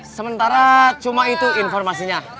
sementara cuma itu informasinya